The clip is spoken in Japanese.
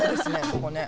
ここね。